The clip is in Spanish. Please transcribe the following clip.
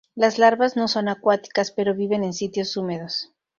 Las larvas no son acuáticas, pero viven en sitios húmedos.